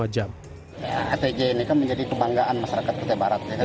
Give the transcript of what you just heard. atj ini kan menjadi kebanggaan masyarakat attai barat